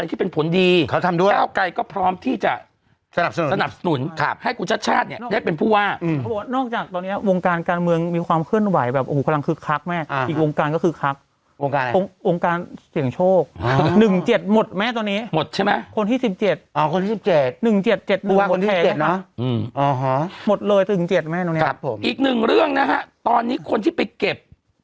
อ๋อสวัสดีครับสวัสดีคุณนุ่มครับผมปลาเรียบร้อยแล้วครับ